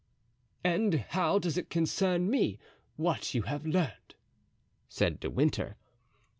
"And how does it concern me what you have learned?" said De Winter.